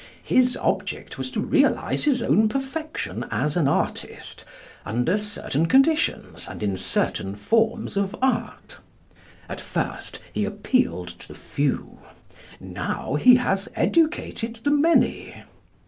His object was to realise his own perfection as an artist, under certain conditions, and in certain forms of Art. At first he appealed to the few: now he has educated the many.